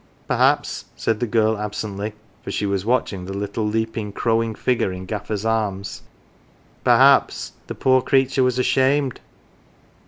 " Perhaps," said the girl absently, for she was watch ing the little leaping crowing figure in Gaffer's arms, " perhaps the poor creature was ashamed."